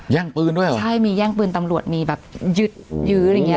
แย่งปืนด้วยเหรอใช่มีแย่งปืนตำรวจมีแบบยึดยื้ออะไรอย่างเงี้